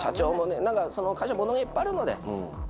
何か会社物がいっぱいあるので。